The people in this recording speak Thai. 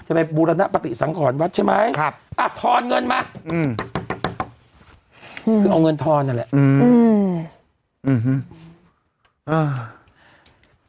ไปบูรณปฏิสังขรวัดใช่ไหมครับอ่ะทอนเงินมาอืมคือเอาเงินทอนนั่นแหละอืมอ่า